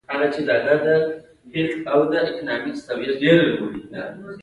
که هغه نور خاين انډيوالان دې وګورې.